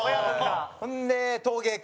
ほんで、陶芸家。